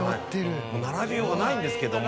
並べようがないんですけども。